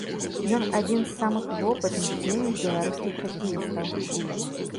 Ён адзін з самых вопытных дзейных беларускіх хакеістаў.